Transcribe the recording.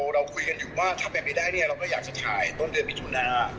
เราคุยกันอยู่ว่าถ้าไม่ได้เราก็อยากจะถ่ายต้นเดือนมิจุนหน้า